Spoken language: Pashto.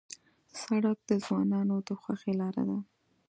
سړک د ځوانانو د خوښۍ لاره ده.